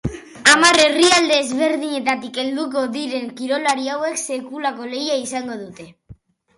Hamar herrialde ezberdinetatik helduko diren kirolari hauek sekulako lehia izango dute.